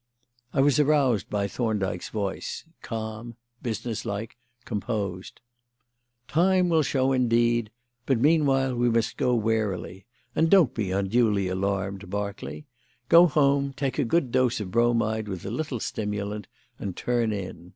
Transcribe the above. I was aroused by Thorndyke's voice calm, business like, composed: "Time will show, indeed! But meanwhile we must go warily. And don't be unduly alarmed, Berkeley. Go home, take a good dose of bromide with a little stimulant, and turn in.